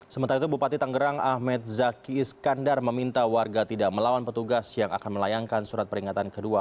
sementara itu bupati tanggerang ahmed zaki iskandar meminta warga tidak melawan petugas yang akan melayangkan surat peringatan kedua